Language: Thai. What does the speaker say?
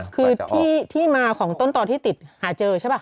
คือที่มาของต้นตอนที่ติดหาเจอใช่ป่ะ